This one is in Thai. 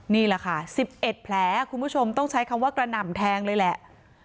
นี่แหละค่ะ๑๑แผลคุณผู้ชมต้องใช้คำว่ากระหน่ำแทงเลยแหละ